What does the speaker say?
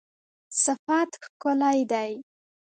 صفت ښکلی دی